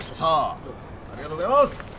ありがとうございます！